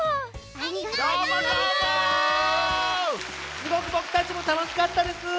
すごくぼくたちもたのしかったです。